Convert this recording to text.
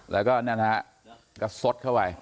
แล้วก็นั่นฮะก็สดเข้าไว้